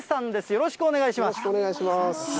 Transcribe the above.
よろしくお願いします。